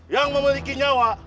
yang memiliki nyawa